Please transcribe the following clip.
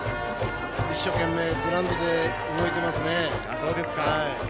一生懸命グラウンドで動いてますね。